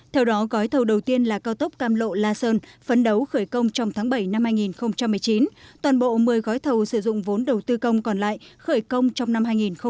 theo đó gói thầu đầu tiên là cao tốc cam lộ la sơn phấn đấu khởi công trong tháng bảy năm hai nghìn một mươi chín toàn bộ một mươi gói thầu sử dụng vốn đầu tư công còn lại khởi công trong năm hai nghìn một mươi chín